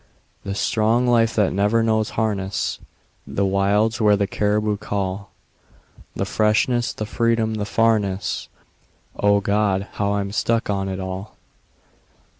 The strong life that never knows harness; The wilds where the caribou call; The freshness, the freedom, the farness O God! how I'm stuck on it all.